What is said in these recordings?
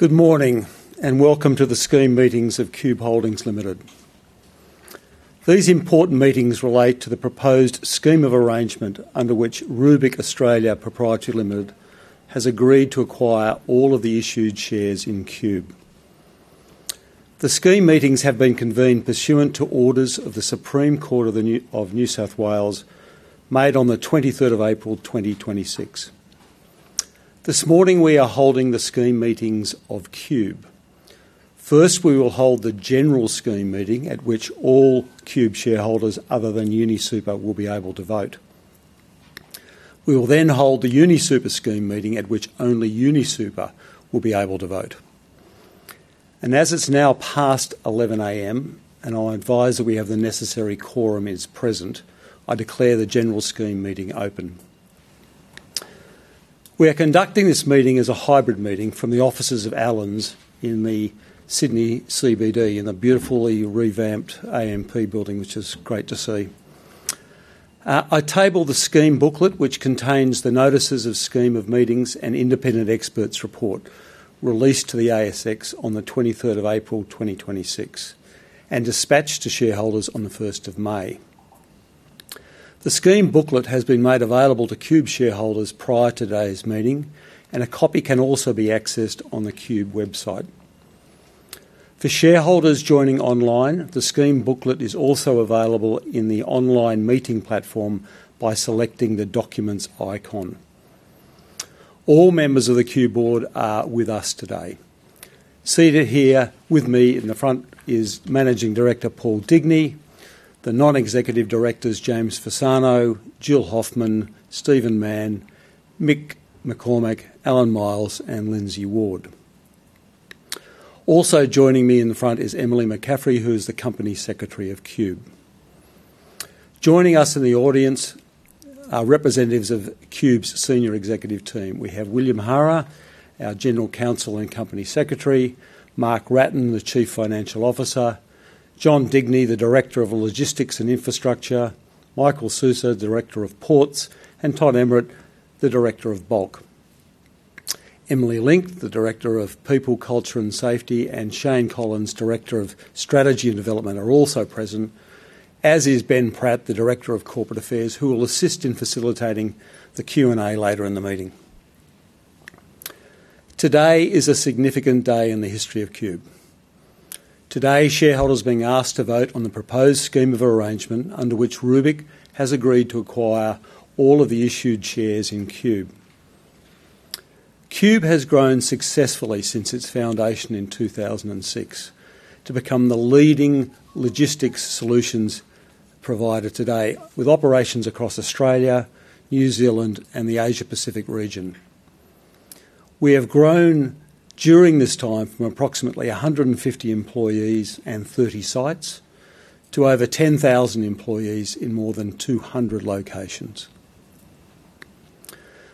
Good morning, and welcome to the Scheme Meetings of Qube Holdings Limited. These important meetings relate to the proposed Scheme of Arrangement under which Rubik Australia Proprietary Limited has agreed to acquire all of the issued shares in Qube. The Scheme Meetings have been convened pursuant to orders of the Supreme Court of New South Wales made on the April 23rd 2026. This morning, we are holding the Scheme Meetings of Qube. First, we will hold the General Scheme Meeting at which all Qube shareholders other than UniSuper will be able to vote. We will then hold the UniSuper Scheme Meeting at which only UniSuper will be able to vote. As it's now past 11:00 A.M., I advise that we have the necessary quorum is present, I declare the General Scheme Meeting open. We are conducting this meeting as a hybrid meeting from the offices of Allens in the Sydney CBD in the beautifully revamped AMP building, which is great to see. I table the scheme booklet, which contains the notices of Scheme of Meetings and independent expert's report released to the ASX on the April 23rd 2026 and dispatched to shareholders on the May 1st. The scheme booklet has been made available to Qube shareholders prior to today's meeting, and a copy can also be accessed on the Qube website. For shareholders joining online, the scheme booklet is also available in the online meeting platform by selecting the Documents icon. All members of the Qube board are with us today. Seated here with me in the front is Managing Director Paul Digney, the Non-Executive Directors, James Fazzino, Jill Hoffmann, Steve Mann, Mick McCormack, Alan Miles, and Lindsay Ward. Also joining me in the front is Emily McCaffery, who is the Company Secretary of Qube. Joining us in the audience are representatives of Qube's senior executive team. We have William Hara, our General Counsel and Company Secretary, Mark Wratten, the Chief Financial Officer, John Digney, the Director of Logistics and Infrastructure, Michael Sousa, Director of Ports, and Todd Emmert, the Director of Bulk. Emily Link, the Director of People, Culture and Safety, and Shane Collins, Director of Strategy and Development, are also present, as is Ben Pratt, the Director of Corporate Affairs, who will assist in facilitating the Q&A later in the meeting. Today is a significant day in the history of Qube. Today, shareholders are being asked to vote on the proposed Scheme of Arrangement under which Rubik has agreed to acquire all of the issued shares in Qube. Qube has grown successfully since its foundation in 2006 to become the leading logistics solutions provider today, with operations across Australia, New Zealand, and the Asia Pacific region. We have grown during this time from approximately 150 employees and 30 sites to over 10,000 employees in more than 200 locations.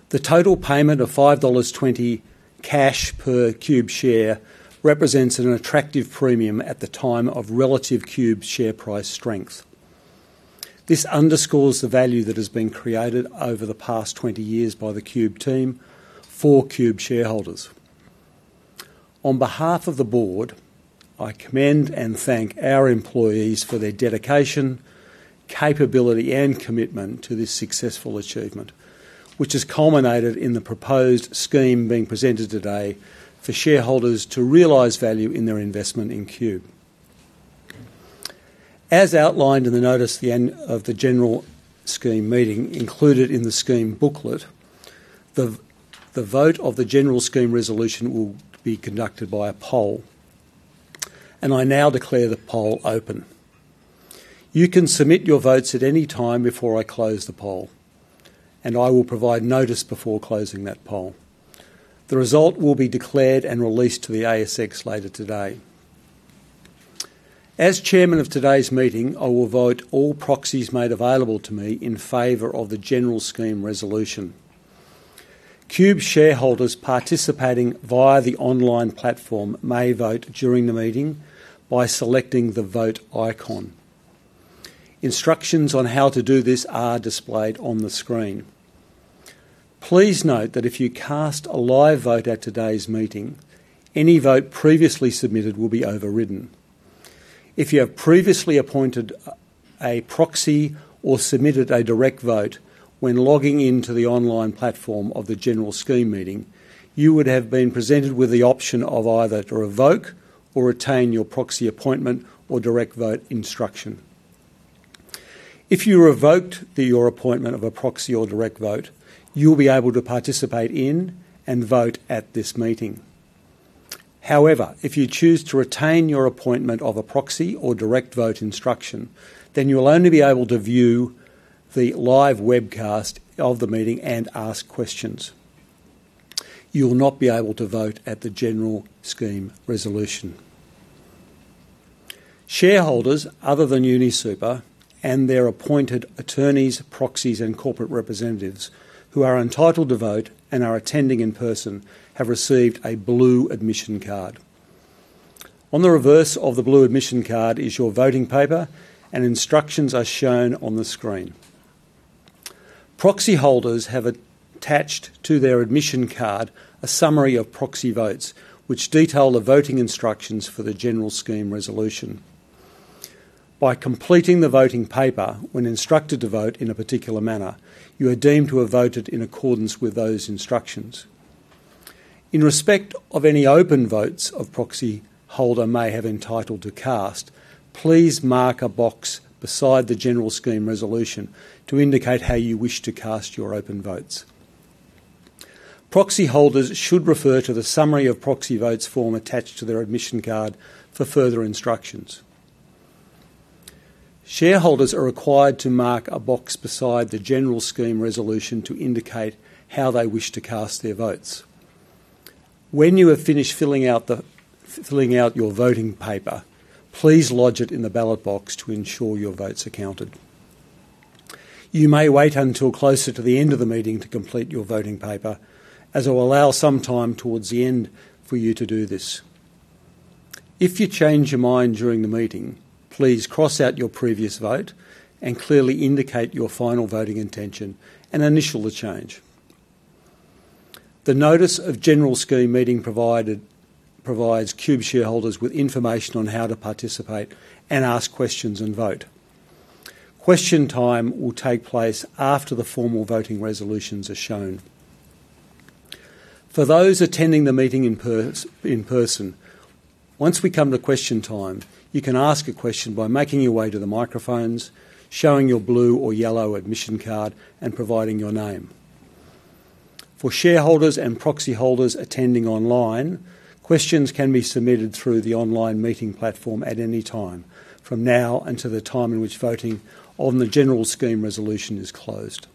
The total payment of 5.20 dollars cash per Qube share represents an attractive premium at the time of relative Qube share price strength. This underscores the value that has been created over the past 20 years by the Qube team for Qube shareholders. On behalf of the board, I commend and thank our employees for their dedication, capability, and commitment to this successful achievement, which has culminated in the proposed scheme being presented today for shareholders to realize value in their investment in Qube. As outlined in the notice of the General Scheme Meeting included in the scheme booklet, the vote of the general scheme resolution will be conducted by a poll. I now declare the poll open. You can submit your votes at any time before I close the poll, and I will provide notice before closing that poll. The result will be declared and released to the ASX later today. As chairman of today's meeting, I will vote all proxies made available to me in favor of the general scheme resolution. Qube shareholders participating via the online platform may vote during the meeting by selecting the Vote icon. Instructions on how to do this are displayed on the screen. Please note that if you cast a live vote at today's meeting, any vote previously submitted will be overridden. If you have previously appointed a proxy or submitted a direct vote when logging into the online platform of the General Scheme Meeting, you would have been presented with the option of either to revoke or retain your proxy appointment or direct vote instruction. If you revoked your appointment of a proxy or direct vote, you'll be able to participate in and vote at this meeting. However, if you choose to retain your appointment of a proxy or direct vote instruction, then you'll only be able to view the live webcast of the meeting and ask questions. You will not be able to vote at the general scheme resolution. Shareholders other than UniSuper and their appointed attorneys, proxies, and corporate representatives who are entitled to vote and are attending in person have received a blue admission card. On the reverse of the blue admission card is your voting paper. Instructions are shown on the screen. Proxyholders have attached to their admission card a summary of proxy votes which detail the voting instructions for the general scheme resolution. By completing the voting paper when instructed to vote in a particular manner, you are deemed to have voted in accordance with those instructions. In respect of any open votes a proxy holder may have entitled to cast, please mark a box beside the general scheme resolution to indicate how you wish to cast your open votes. Proxy holders should refer to the summary of proxy votes form attached to their admission card for further instructions. Shareholders are required to mark a box beside the general scheme resolution to indicate how they wish to cast their votes. When you have finished filling out your voting paper, please lodge it in the ballot box to ensure your votes are counted. You may wait until closer to the end of the meeting to complete your voting paper, as I'll allow some time towards the end for you to do this. If you change your mind during the meeting, please cross out your previous vote and clearly indicate your final voting intention and initial the change. The notice of General Scheme Meeting provides Qube shareholders with information on how to participate and ask questions and vote. Question time will take place after the formal voting resolutions are shown. For those attending the meeting in person, once we come to question time, you can ask a question by making your way to the microphones, showing your blue or yellow admission card, and providing your name. For shareholders and proxy holders attending online, questions can be submitted through the online meeting platform at any time from now until the time in which voting on the general Scheme resolution is closed.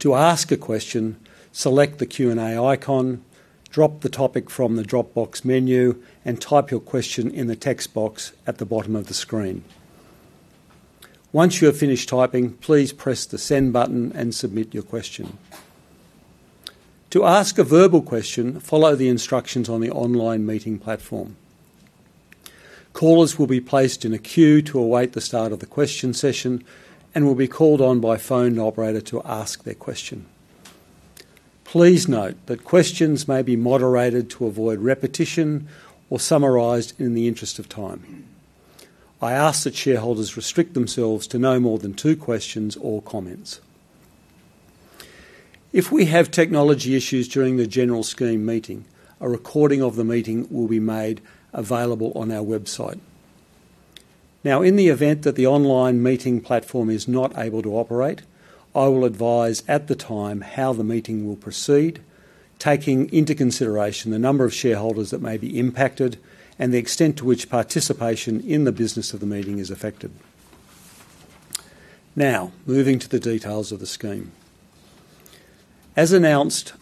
To ask a question, select the Q&A icon, drop the topic from the drop box menu, and type your question in the text box at the bottom of the screen. Once you have finished typing, please press the send button and submit your question. To ask a verbal question, follow the instructions on the online meeting platform. Callers will be placed in a queue to await the start of the question session and will be called on by a phone operator to ask their question. Please note that questions may be moderated to avoid repetition or summarized in the interest of time. I ask that shareholders restrict themselves to no more than two questions or comments. If we have technology issues during the general Scheme meeting, a recording of the meeting will be made available on our website. In the event that the online meeting platform is not able to operate, I will advise at the time how the meeting will proceed, taking into consideration the number of shareholders that may be impacted and the extent to which participation in the business of the meeting is affected. Moving to the details of the Scheme. As announced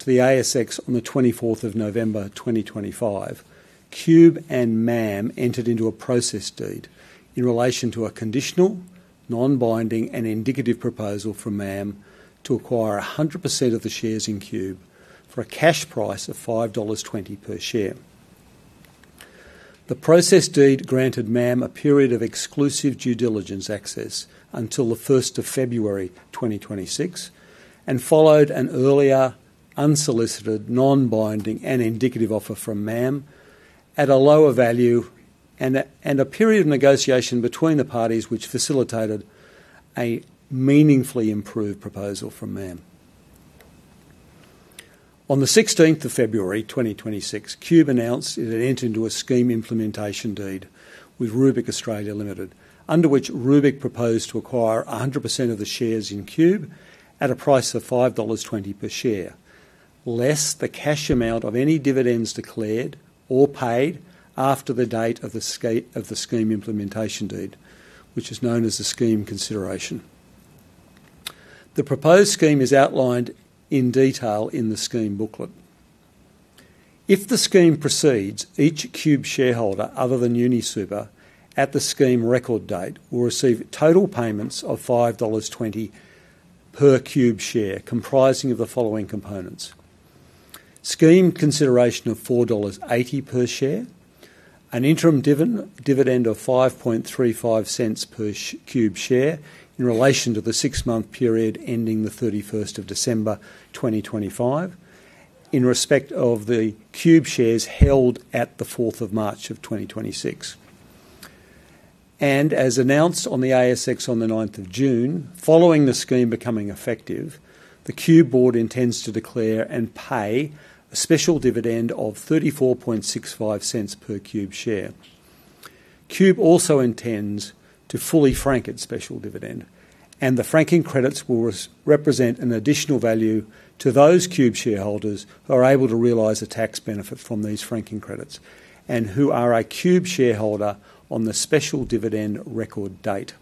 to the ASX on the November 24th 2025, Qube and MAM entered into a process deed in relation to a conditional, non-binding and indicative proposal from MAM to acquire 100% of the shares in Qube for a cash price of 5.20 dollars per share. The process deed granted MAM a period of exclusive due diligence access until the 1st of February 2026, and followed an earlier unsolicited, non-binding and indicative offer from MAM at a lower value and a period of negotiation between the parties which facilitated a meaningfully improved proposal from MAM. On the February 16th 2026, Qube announced it had entered into a Scheme Implementation Deed with Rubik Australia Pty Limited, under which Rubik proposed to acquire 100% of the shares in Qube at a price of 5.20 dollars per share, less the cash amount of any dividends declared or paid after the date of the Scheme Implementation Deed, which is known as the scheme consideration. The proposed scheme is outlined in detail in the scheme booklet. If the Scheme proceeds, each Qube shareholder, other than UniSuper, at the Scheme record date will receive total payments of 5.20 dollars per Qube share, comprising of the following components. Scheme consideration of 4.80 dollars per share, an interim dividend of 0.0535 per Qube share in relation to the six-month period ending the December 31st 2025, in respect of the Qube shares held at the March 4th of 2026. As announced on the ASX on the June 9th, following the Scheme becoming effective, the Qube board intends to declare and pay a special dividend of 0.3465 per Qube share. Qube also intends to fully frank its special dividend, the franking credits will represent an additional value to those Qube shareholders who are able to realize a tax benefit from these franking credits and who are a Qube shareholder on the special dividend record date.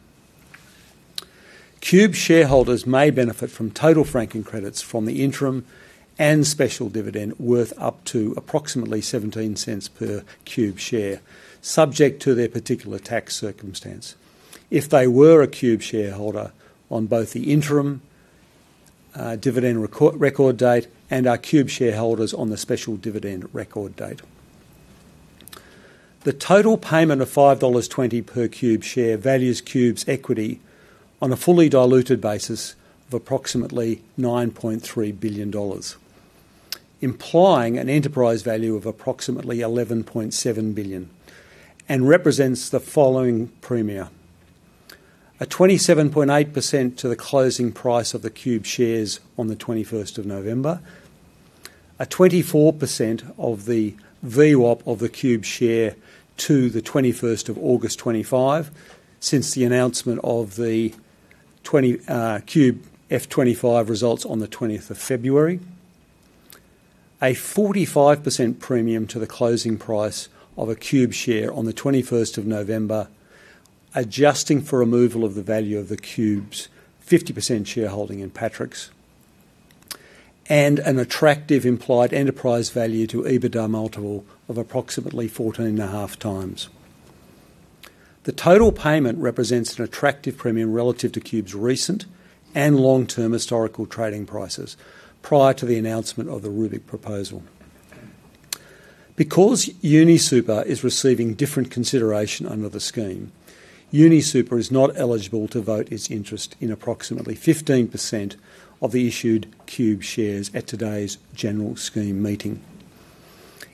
Qube shareholders may benefit from total franking credits from the interim and special dividend worth up to approximately 0.17 per Qube share, subject to their particular tax circumstance, if they were a Qube shareholder on both the interim dividend record date and are Qube shareholders on the special dividend record date. The total payment of 5.20 dollars per Qube share values Qube's equity on a fully diluted basis of approximately 9.3 billion dollars, implying an enterprise value of approximately 11.7 billion, and represents the following premium: a 27.8% to the closing price of the Qube shares on the November 21st, a 24% of the VWAP of the Qube share to the 21st of August 2025, since the announcement of the Qube FY 2025 results on the 20th of February, a 45% premium to the closing price of a Qube share on the November 21st, adjusting for removal of the value of the Qube's 50% shareholding in Patricks, and an attractive implied enterprise value to EBITDA multiple of approximately 14.5x. The total payment represents an attractive premium relative to Qube's recent and long-term historical trading prices prior to the announcement of the Rubik proposal. Because UniSuper is receiving different consideration under the scheme, UniSuper is not eligible to vote its interest in approximately 15% of the issued Qube shares at today's general scheme meeting.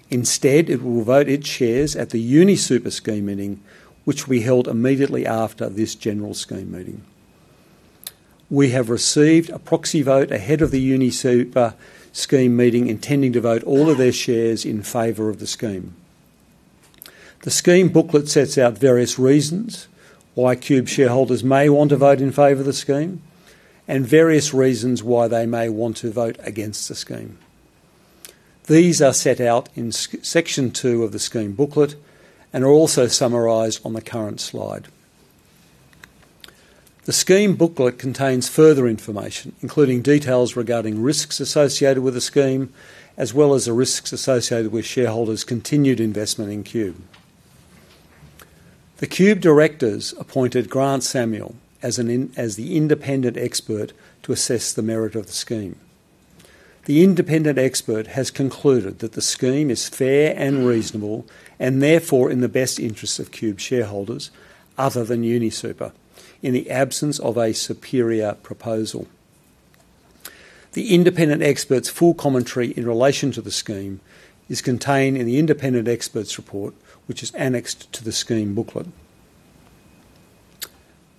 Instead, it will vote its shares at the UniSuper scheme meeting, which we held immediately after this general scheme meeting. We have received a proxy vote ahead of the UniSuper scheme meeting, intending to vote all of their shares in favor of the scheme. The scheme booklet sets out various reasons why Qube shareholders may want to vote in favor of the scheme and various reasons why they may want to vote against the scheme. These are set out in section two of the scheme booklet and are also summarized on the current slide. The scheme booklet contains further information, including details regarding risks associated with the scheme, as well as the risks associated with shareholders' continued investment in Qube. The Qube directors appointed Grant Samuel as the independent expert to assess the merit of the scheme. The independent expert has concluded that the scheme is fair and reasonable and therefore in the best interest of Qube shareholders, other than UniSuper, in the absence of a superior proposal. The independent expert's full commentary in relation to the scheme is contained in the independent expert's report, which is annexed to the scheme booklet.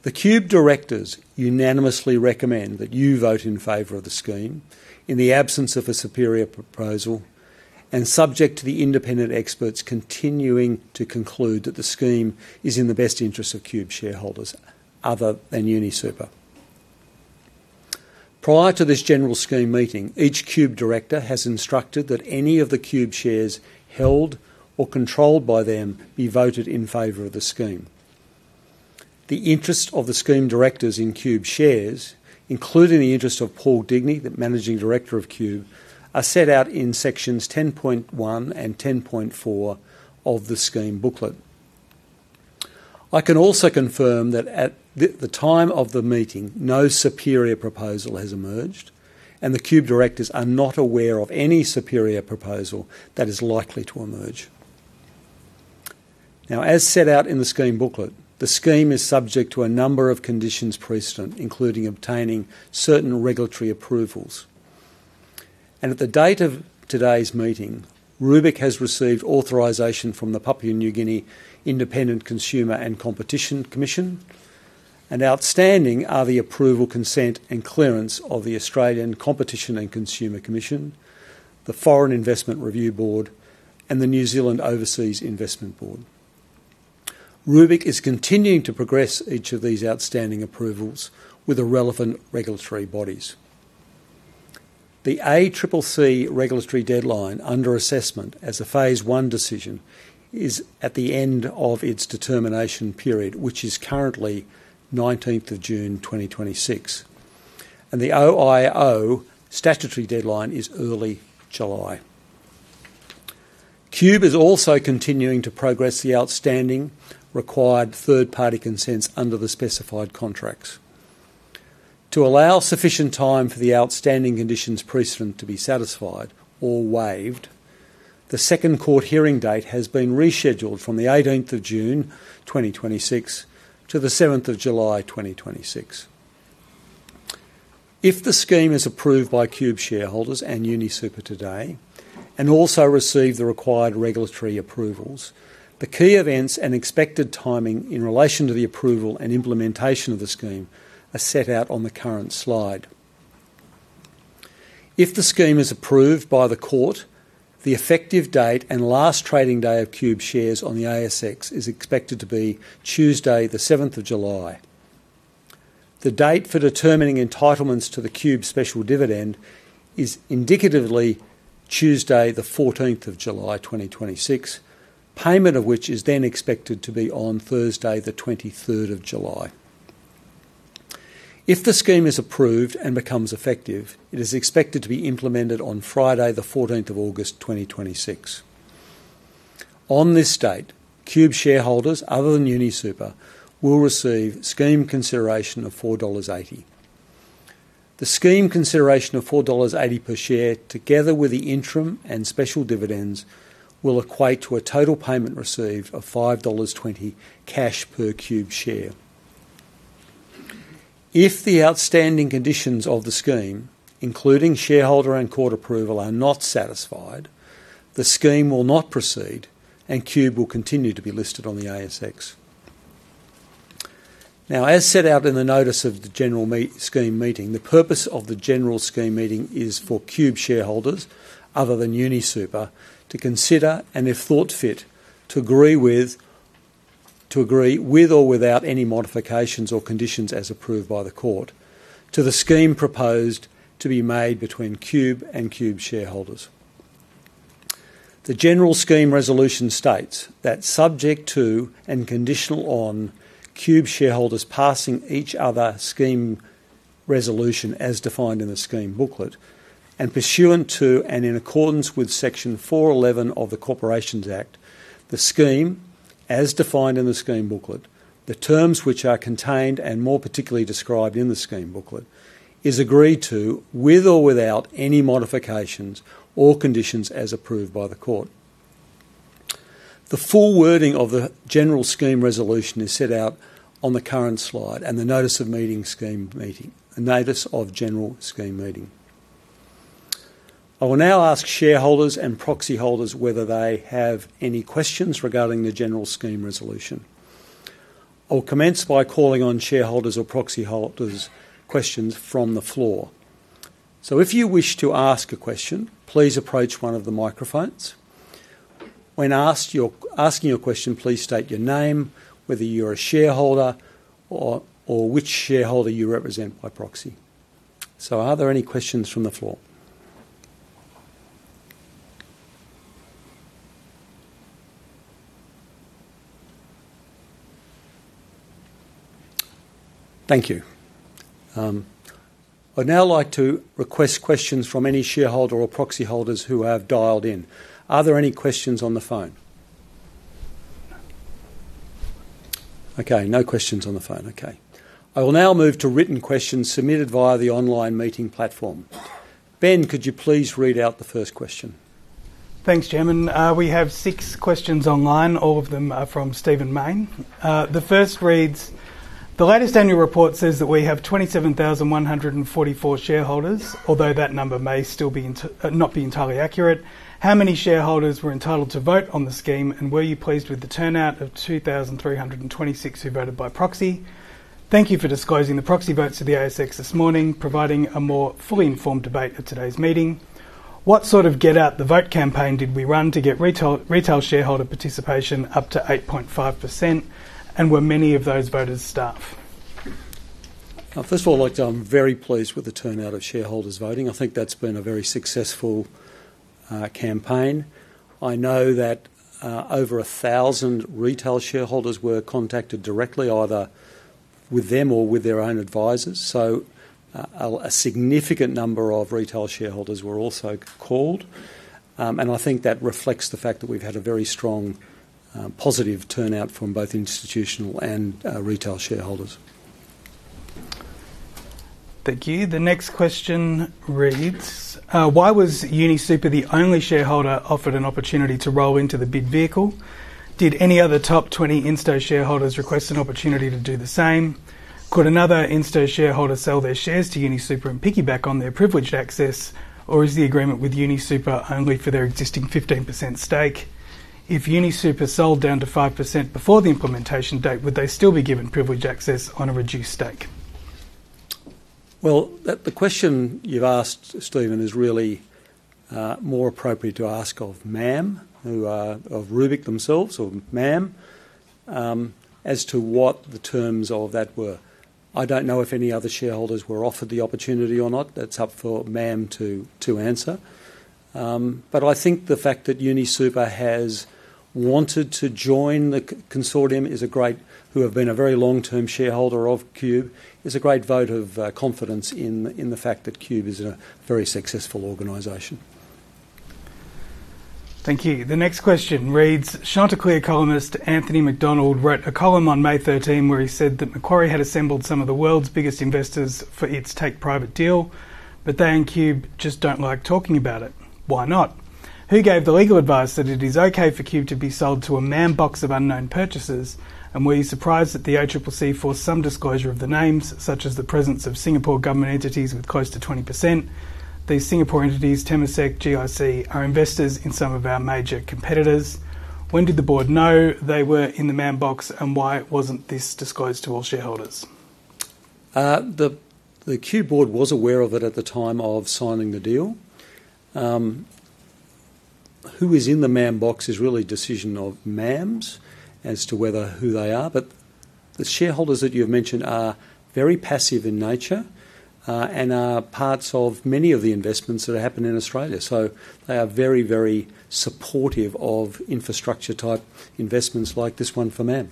The Qube directors unanimously recommend that you vote in favor of the scheme in the absence of a superior proposal and subject to the independent experts continuing to conclude that the scheme is in the best interest of Qube shareholders, other than UniSuper. Prior to this general scheme meeting, each Qube director has instructed that any of the Qube shares held or controlled by them be voted in favor of the scheme. The interest of the scheme directors in Qube shares, including the interest of Paul Digney, the Managing Director of Qube, are set out in sections 10.1 and 10.4 of the scheme booklet. I can also confirm that at the time of the meeting, no superior proposal has emerged, and the Qube directors are not aware of any superior proposal that is likely to emerge. As set out in the scheme booklet, the scheme is subject to a number of conditions precedent, including obtaining certain regulatory approvals. At the date of today's meeting, Rubik has received authorization from the Papua New Guinea Independent Consumer and Competition Commission, and outstanding are the approval, consent, and clearance of the Australian Competition and Consumer Commission, the Foreign Investment Review Board, and the New Zealand Overseas Investment Office. Rubik is continuing to progress each of these outstanding approvals with the relevant regulatory bodies. The ACCC regulatory deadline under assessment as a phase I decision is at the end of its determination period, which is currently June 19th 2026, and the OIO statutory deadline is early July. Qube is also continuing to progress the outstanding required third-party consents under the specified contracts. To allow sufficient time for the outstanding conditions precedent to be satisfied or waived, the second court hearing date has been rescheduled from the June 18th 2026 to the July 7th 2026. If the scheme is approved by Qube shareholders and UniSuper today and also receive the required regulatory approvals, the key events and expected timing in relation to the approval and implementation of the scheme are set out on the current slide. If the scheme is approved by the court, the effective date and last trading day of Qube shares on the ASX is expected to be Tuesday the July 7th. The date for determining entitlements to the Qube special dividend is indicatively Tuesday the July 14th 2026, payment of which is then expected to be on Thursday the July 23rd. If the scheme is approved and becomes effective, it is expected to be implemented on Friday the August 14th 2026. On this date, Qube shareholders other than UniSuper will receive scheme consideration of 4.80 dollars. The scheme consideration of 4.80 dollars per share, together with the interim and special dividends, will equate to a total payment received of 5.20 dollars cash per Qube share. If the outstanding conditions of the scheme, including shareholder and court approval, are not satisfied, the scheme will not proceed, and Qube will continue to be listed on the ASX. As set out in the notice of the general scheme meeting, the purpose of the general scheme meeting is for Qube shareholders, other than UniSuper, to consider, and if thought fit, to agree with or without any modifications or conditions as approved by the court, to the scheme proposed to be made between Qube and Qube shareholders. The general scheme resolution states that subject to and conditional on Qube shareholders passing each other scheme resolution as defined in the scheme booklet, and pursuant to and in accordance with Section 411 of the Corporations Act, the scheme as defined in the scheme booklet, the terms which are contained and more particularly described in the scheme booklet, is agreed to, with or without any modifications or conditions as approved by the court. The full wording of the general scheme resolution is set out on the current slide and the notice of general scheme meeting. I will now ask shareholders and proxy holders whether they have any questions regarding the general scheme resolution. I will commence by calling on shareholders or proxy holders questions from the floor. If you wish to ask a question, please approach one of the microphones. When asking your question, please state your name, whether you are a shareholder or which shareholder you represent by proxy. Are there any questions from the floor? Thank you. I would now like to request questions from any shareholder or proxy holders who have dialed in. Are there any questions on the phone? Okay, no questions on the phone. Okay. I will now move to written questions submitted via the online meeting platform. Ben, could you please read out the first question? Thanks, Chairman. We have six questions online. All of them are from Steve Mann. The first reads: The latest annual report says that we have 27,144 shareholders, although that number may still not be entirely accurate. How many shareholders were entitled to vote on the scheme, and were you pleased with the turnout of 2,326 who voted by proxy? Thank you for disclosing the proxy votes to the ASX this morning, providing a more fully informed debate for today's meeting. What sort of get out the vote campaign did we run to get retail shareholder participation up to 8.5%? Were many of those voters staff? First of all, I would like to say I am very pleased with the turnout of shareholders voting. I think that has been a very successful campaign. I know that over 1,000 retail shareholders were contacted directly, either with them or with their own advisors. A significant number of retail shareholders were also called, I think that reflects the fact that we have had a very strong, positive turnout from both institutional and retail shareholders. Thank you. The next question reads: Why was UniSuper the only shareholder offered an opportunity to roll into the bid vehicle? Did any other top 20 insto shareholders request an opportunity to do the same? Could another insto shareholder sell their shares to UniSuper and piggyback on their privileged access, or is the agreement with UniSuper only for their existing 15% stake? If UniSuper sold down to five percent before the implementation date, would they still be given privileged access on a reduced stake? Well, the question you've asked, Steven, is really more appropriate to ask of MAM, of Rubik themselves or MAM, as to what the terms of that were. I don't know if any other shareholders were offered the opportunity or not. That's up for MAM to answer. I think the fact that UniSuper has wanted to join the consortium, who have been a very long-term shareholder of Qube, is a great vote of confidence in the fact that Qube is a very successful organization. Thank you. The next question reads: Chanticleer columnist Anthony Macdonald wrote a column on May 13 where he said that Macquarie had assembled some of the world's biggest investors for its take-private deal. They and Qube just don't like talking about it. Why not? Who gave the legal advice that it is okay for Qube to be sold to a Man Box of unknown purchasers, and were you surprised that the ACCC forced some disclosure of the names, such as the presence of Singapore government entities with close to 20%? These Singapore entities, Temasek, GIC, are investors in some of our major competitors. When did the board know they were in the Man Box, and why wasn't this disclosed to all shareholders? The Qube board was aware of it at the time of signing the deal. Who is in the Man Box is really a decision of MAM's as to who they are. The shareholders that you have mentioned are very passive in nature and are parts of many of the investments that happen in Australia. They are very, very supportive of infrastructure type investments like this one for MAM.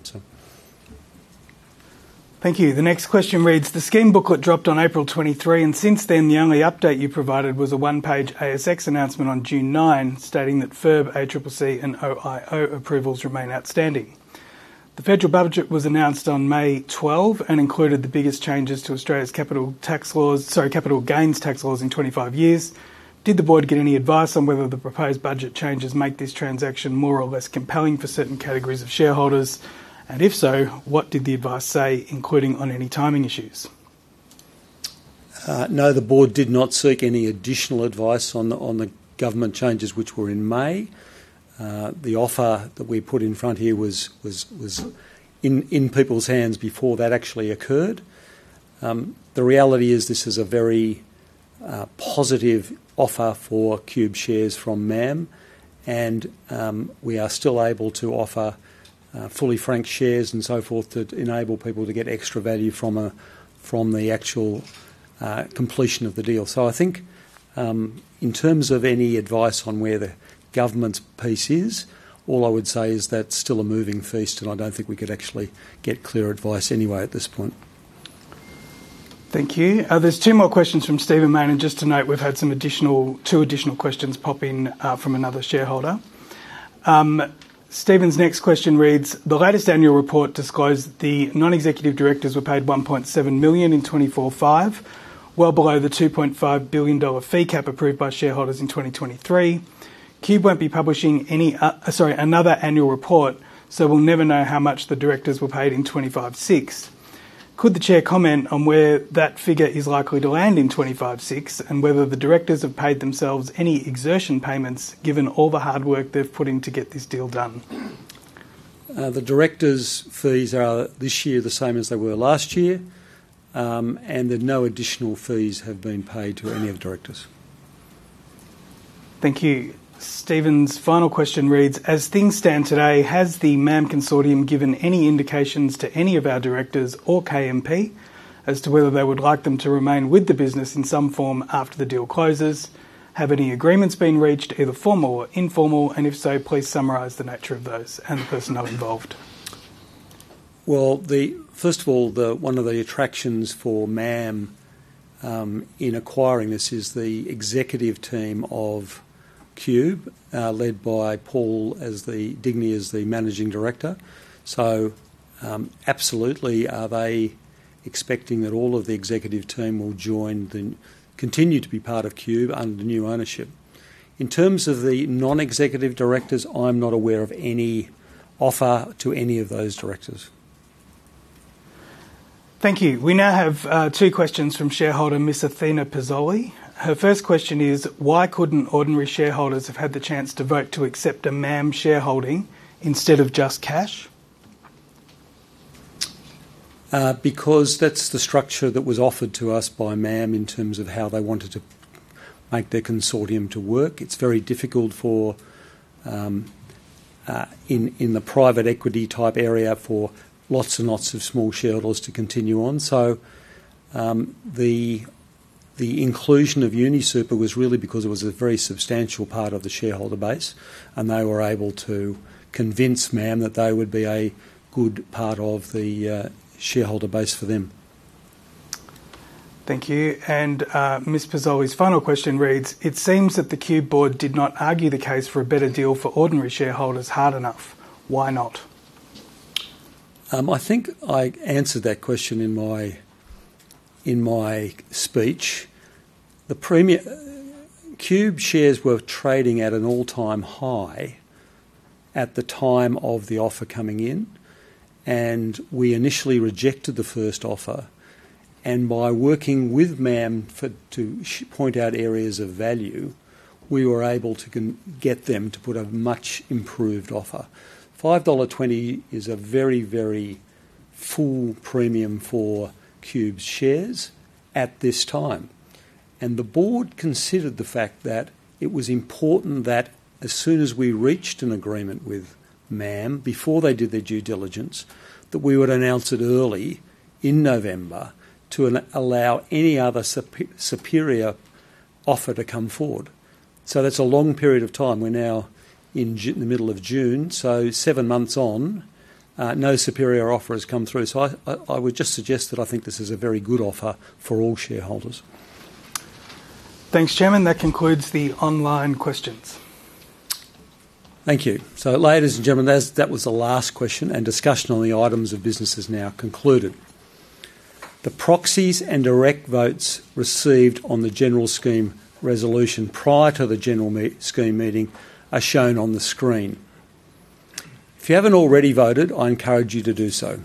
Thank you. The next question reads: The scheme booklet dropped on April 23. Since then, the only update you provided was a one-page ASX announcement on June 9 stating that FIRB, ACCC, and OIO approvals remain outstanding. The federal budget was announced on May 12 and included the biggest changes to Australia's capital gains tax laws in 25 years. Did the board get any advice on whether the proposed budget changes make this transaction more or less compelling for certain categories of shareholders? If so, what did the advice say, including on any timing issues? No, the board did not seek any additional advice on the government changes which were in May. The offer that we put in front here was in people's hands before that actually occurred. The reality is this is a very positive offer for Qube shares from MAM, and we are still able to offer fully franked shares and so forth to enable people to get extra value from the actual completion of the deal. I think, in terms of any advice on where the government's piece is, all I would say is that's still a moving feast, and I don't think we could actually get clear advice anyway at this point. Thank you. There's two more questions from Steven Mann, and just to note, we've had two additional questions pop in from another shareholder. Steven's next question reads: The latest annual report disclosed the non-executive directors were paid 1.7 million in 2024/2025, well below the 2.5 billion dollar fee cap approved by shareholders in 2023. Qube won't be publishing another annual report, so we'll never know how much the directors were paid in 2025/2026. Could the chair comment on where that figure is likely to land in 2025/2026, and whether the directors have paid themselves any exertion payments given all the hard work they've put in to get this deal done? The directors' fees are the same this year as they were last year, and no additional fees have been paid to any of the directors. Thank you. Steven's final question reads: As things stand today, has the MAM consortium given any indications to any of our directors or KMP as to whether they would like them to remain with the business in some form after the deal closes? Have any agreements been reached, either formal or informal, and if so, please summarize the nature of those and the personnel involved. Well, first of all, one of the attractions for MAM in acquiring this is the executive team of Qube, led by Paul Digney as the managing director. Absolutely are they expecting that all of the executive team will continue to be part of Qube under the new ownership. In terms of the non-executive directors, I'm not aware of any offer to any of those directors. Thank you. We now have two questions from shareholder Ms. Athena Pizoli. Her first question is: Why couldn't ordinary shareholders have had the chance to vote to accept a MAM shareholding instead of just cash? That's the structure that was offered to us by MAM in terms of how they wanted to make their consortium to work. It's very difficult in the private equity type area for lots and lots of small shareholders to continue on. The inclusion of UniSuper was really because it was a very substantial part of the shareholder base, and they were able to convince MAM that they would be a good part of the shareholder base for them. Thank you. Ms. Pizoli's final question reads: It seems that the Qube board did not argue the case for a better deal for ordinary shareholders hard enough. Why not? I think I answered that question in my speech. Qube shares were trading at an all-time high at the time of the offer coming in, we initially rejected the first offer. By working with MAM to point out areas of value, we were able to get them to put a much-improved offer. 5.20 dollar is a very full premium for Qube's shares at this time. The board considered the fact that it was important that as soon as we reached an agreement with MAM, before they did their due diligence, that we would announce it early in November to allow any other superior offer to come forward. That's a long period of time. We are now in the middle of June, so seven months on, no superior offer has come through. I would just suggest that I think this is a very good offer for all shareholders. Thanks, Chairman. That concludes the online questions. Thank you. Ladies and gentlemen, that was the last question, discussion on the items of business is now concluded. The proxies and direct votes received on the general scheme resolution prior to the general scheme meeting are shown on the screen. If you haven't already voted, I encourage you to do so.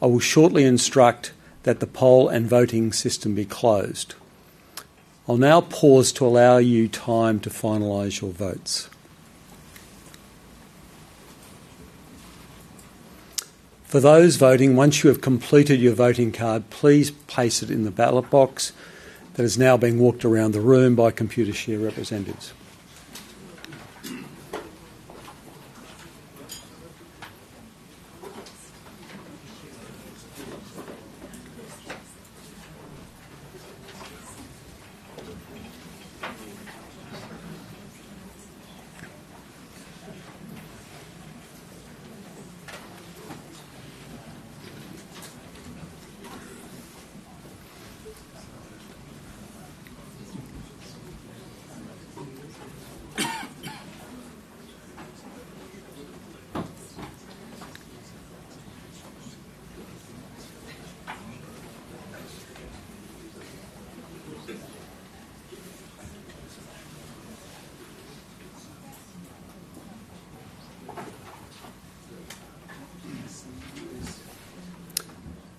I will shortly instruct that the poll and voting system be closed. I will now pause to allow you time to finalize your votes. For those voting, once you have completed your voting card, please place it in the ballot box that is now being walked around the room by Computershare representatives.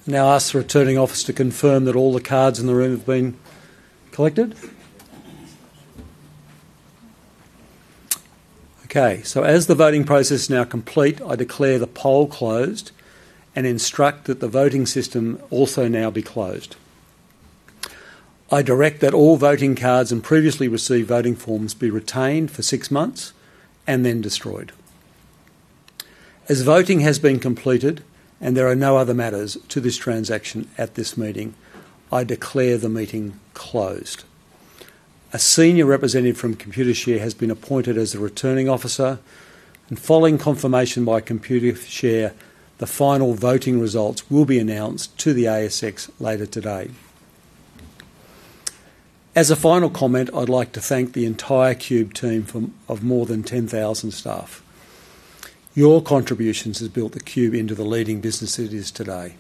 I now ask the returning officer to confirm that all the cards in the room have been collected. As the voting process is now complete, I declare the poll closed and instruct that the voting system also now be closed. I direct that all voting cards and previously received voting forms be retained for six months and then destroyed. As voting has been completed and there are no other matters to this transaction at this meeting, I declare the meeting closed. A senior representative from Computershare has been appointed as the returning officer, and following confirmation by Computershare, the final voting results will be announced to the ASX later today. As a final comment, I'd like to thank the entire Qube team of more than 10,000 staff. Your contributions have built Qube into the leading business it is today.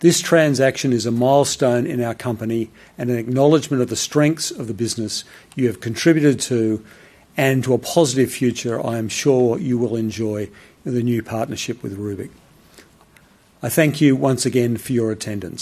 This transaction is a milestone in our company and an acknowledgment of the strengths of the business you have contributed to, and to a positive future I am sure you will enjoy with the new partnership with Rubik. I thank you once again for your attendance